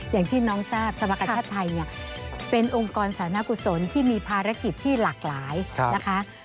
อย่างที่น้องทราบสมกชาติไทยเนี่ยเป็นองค์กรสานกุศลที่มีภารกิจที่หลากหลายนะคะ